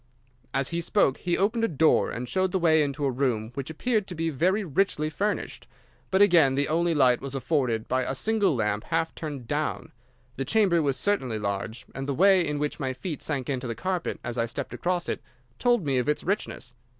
"As he spoke he opened a door and showed the way into a room which appeared to be very richly furnished, but again the only light was afforded by a single lamp half turned down. The chamber was certainly large, and the way in which my feet sank into the carpet as I stepped across it told me of its richness.